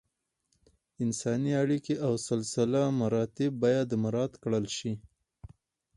انساني اړیکې او سلسله مراتب باید مراعت کړل شي.